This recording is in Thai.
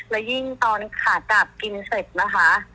และยิ่งตอนขากลับกินเสร็จนะคะ